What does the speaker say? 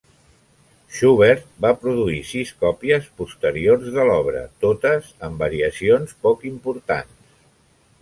Schubert va produir sis còpies posteriors de l'obra, totes amb variacions poc importants.